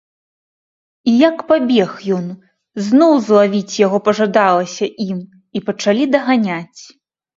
І як пабег ён, зноў злавіць яго пажадалася ім і пачалі даганяць.